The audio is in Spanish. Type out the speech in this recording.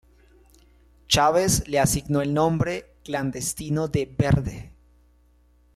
Chávez le asignó el nombre clandestino de "Verde".